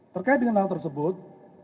terkait dengan hal tersebut